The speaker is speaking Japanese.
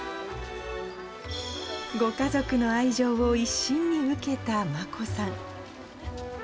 ご家族の愛情を一身に受けた眞子さん。